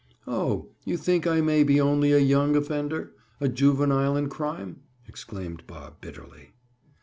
"Oh, you think I may be only a young offender—a juvenile in crime?" exclaimed Bob bitterly.